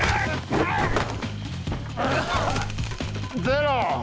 ゼロ！